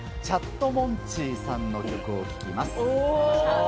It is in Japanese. チャットモンチーさんの曲を聴きます。